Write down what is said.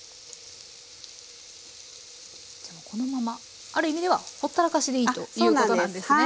このままある意味ではほったらかしでいいということなんですね。